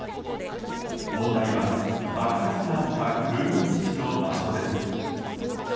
問題は、爆発があった空軍基地の場所です。